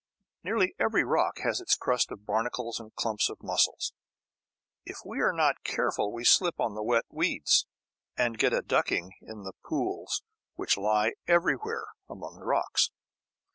Nearly every rock has its crust of barnacles and clumps of mussels. If we are not careful we slip on the wet weeds, and get a ducking in the pools which lie everywhere among the rocks.